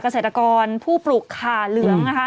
เกษตรกรผู้ปลูกขาเหลืองนะคะ